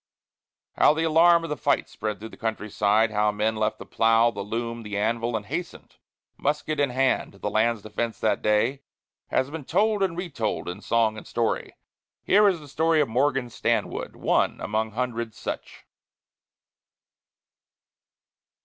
How the alarm of the fight spread through the countryside, how men left the plough, the loom, the anvil, and hastened, musket in hand, to the land's defence that day, has been told and retold in song and story. Here is the story of Morgan Stanwood, one among hundreds such.